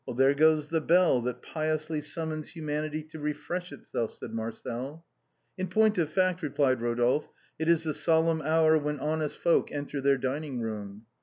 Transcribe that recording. " There goes the bell that piously summons humanity to refresh itself," said Marcel. " In point of fact," replied Eodolphe, " it is the solemn hour when honest folk enter their dining room."